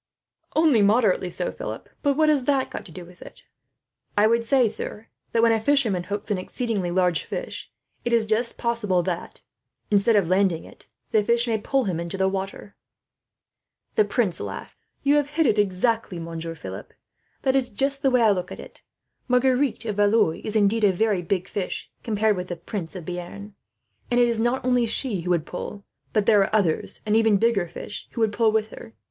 "Only moderately so, Philip; but what has that to do with it?" "I would say, sir, that when a fisherman hooks an exceedingly large fish, it is just possible that, instead of landing it, the fish may pull him into the water." The prince laughed. "You have hit it exactly, Monsieur Philip. That is just the way I look at it. Marguerite of Valois is, indeed, a very big fish compared with the Prince of Bearn; and it is not only she who would pull, but there are others, and even bigger fish, who would pull with her.